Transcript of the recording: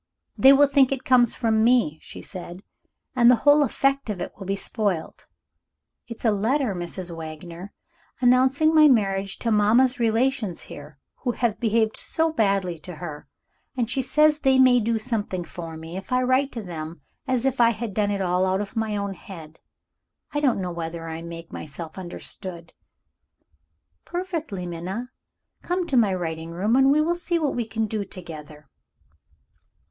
'They will think it comes from me,' she said, 'and the whole effect of it will be spoilt.' It's a letter, Mrs. Wagner, announcing my marriage to mamma's relations here, who have behaved so badly to her and she says they may do something for me, if I write to them as if I had done it all out of my own head. I don't know whether I make myself understood?" "Perfectly, Minna. Come to my writing room, and we will see what we can do together."